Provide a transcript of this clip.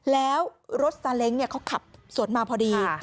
แล้วรถซาเล้งเขาขับสวนมาพอดี